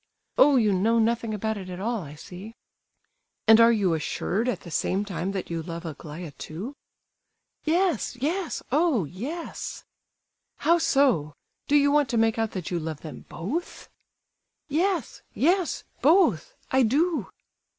Oh! you know nothing about it at all, I see." "And are you assured, at the same time, that you love Aglaya too?" "Yes—yes—oh; yes!" "How so? Do you want to make out that you love them both?" "Yes—yes—both! I do!"